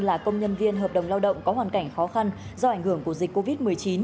là công nhân viên hợp đồng lao động có hoàn cảnh khó khăn do ảnh hưởng của dịch covid một mươi chín